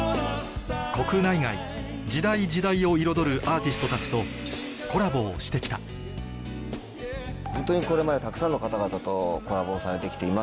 国内外時代時代を彩るアーティストたちとコラボをして来たホントにこれまでたくさんの方々とコラボをされて来ています。